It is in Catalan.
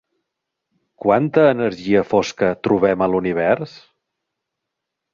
Quanta energia fosca trobem a l'Univers?